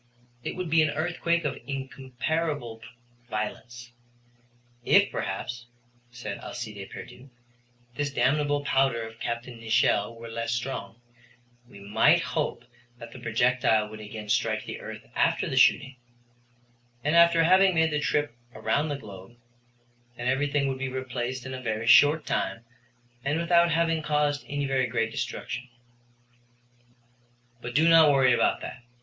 It would be an earthquake of incomparable violence. If besides, said Alcide Pierdeux, this damnable powder of Capt. Nicholl were less strong, we might hope that the projectile would again strike the earth after the shooting, and after having made the trip around the globe, then everything would be replaced in a very short time and without having caused any very great destruction. But do not worry about that.